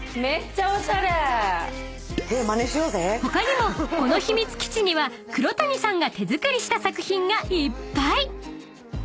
［他にもこの秘密基地には黒谷さんが手作りした作品がいっぱい！］